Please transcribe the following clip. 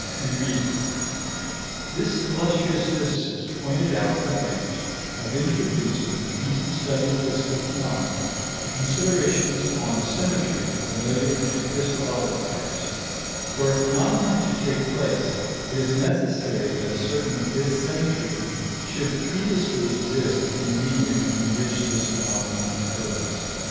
Curie. This illustrious physicist pointed out the advantage of introducing into the study of physical phenomena the considerations on symmetry familiar to crystallographers; for a phenomenon to take place, it is necessary that a certain dissymmetry should previously exist in the medium in which this phenomenon occurs.